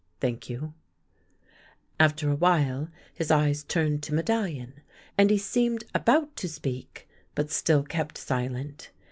Thank you." After a little, his eyes turned to Medallion and he seemed about to speak, but still kept silent.